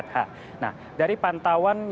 nah dari pantauan yang dilakukan di atas kabupaten ini